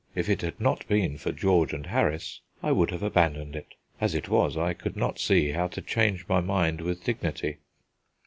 If it had not been for George and Harris, I would have abandoned it. As it was, I could not see how to change my mind with dignity.